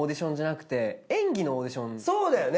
そうだよね